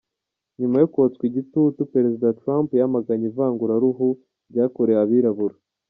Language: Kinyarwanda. Nyuma yo kotswa igitutu, Perezida Trump, yamaganye ivanguraruhu ryakorewe abirabura.